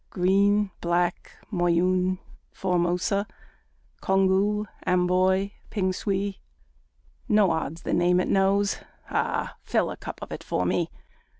Green, Black, Moyune, Formosa, Congou, Amboy, Pingsuey No odds the name it knows ah! Fill a cup of it for me!